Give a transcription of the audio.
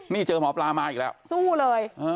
นี่เจอหมอปลามาอีกแล้วสู้เลย